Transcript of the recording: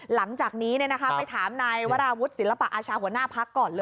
หลังจากนี้เนี่ยนะคะไปถามนายวราวุฒิศิลปะอาชาหัวหน้าภักดิ์ก่อนเลย